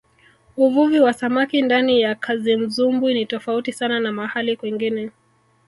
uvuvi wa samaki ndani ya kazimzumbwi ni tofauti sana na mahali kwingine